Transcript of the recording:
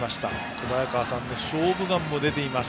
小早川さんの「勝負眼」も出ています。